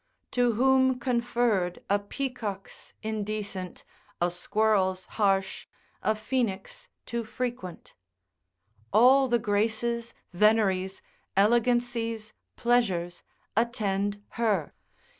To whom conferr'd a peacock's indecent, A squirrel's harsh, a phoenix too frequent. All the graces, veneries, elegancies, pleasures, attend her.